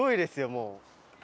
もう。